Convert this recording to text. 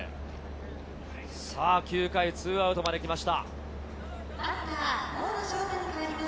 ９回２アウトまで来ました。